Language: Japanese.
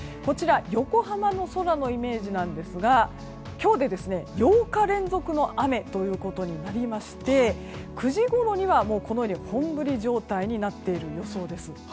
横浜の空のイメージですが今日で８日連続の雨ということになりまして９時ごろにはこのように本降り状態になっている予想です。